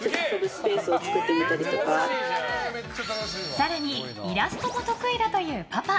更にイラストも得意だというパパ。